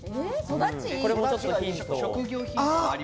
これもちょっとヒント。